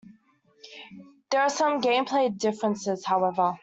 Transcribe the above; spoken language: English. There are some gameplay differences however.